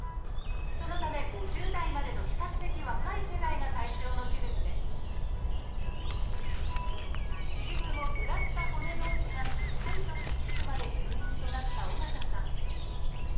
そのため５０代までの比較的若い世代が対象の手術です手術後ずらした骨同士がしっかりとくっつくまで入院となった緒方さん。